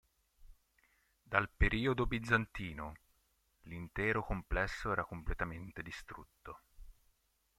Dal periodo bizantino, l'intero complesso era completamente distrutto.